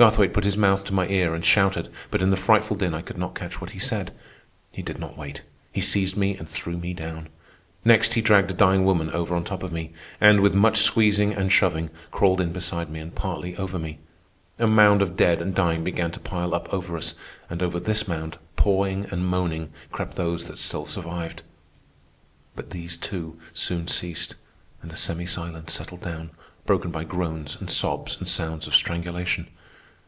Garthwaite put his mouth to my ear and shouted, but in the frightful din I could not catch what he said. He did not wait. He seized me and threw me down. Next he dragged a dying woman over on top of me, and, with much squeezing and shoving, crawled in beside me and partly over me. A mound of dead and dying began to pile up over us, and over this mound, pawing and moaning, crept those that still survived. But these, too, soon ceased, and a semi silence settled down, broken by groans and sobs and sounds of strangulation.